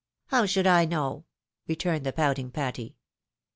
" How should I know ?" returned the pouting Patty.